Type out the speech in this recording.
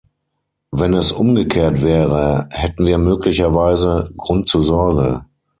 Wenn es umgekehrt wäre, hätten wir möglicherweise Grund zur Sorge.